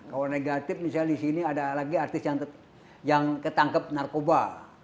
kalau negatif misalnya di sini ada lagi artis yang ketangkep narkoba